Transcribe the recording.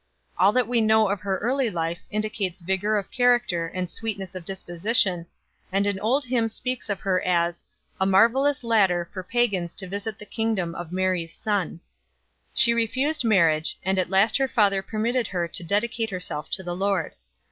All that we know of her early life indi cates vigour of character and sweetness of disposition, and an old hymn speaks of her as "a marvellous ladder for pagans to visit the kingdom of Mary s Son 4 ." She refused marriage, and at last her father permitted her to dedicate herself to the Lord.